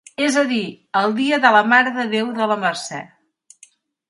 És a dir, el dia de la Mare de Déu de la Mercè.